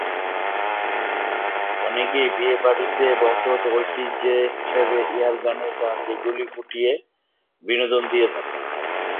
অনেকেই বিয়ে বাড়িতে বংশগত ঐতিহ্যে হিসাবে এয়ার গানের সাহায্য গুলি ফুটিয়ে বিনোদন দিয়ে থাকেন।